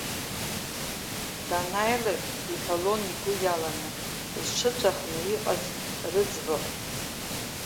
Данааилак иҳәалон игәы иаланы зҽыҵәахны иҟаз рыӡбахә.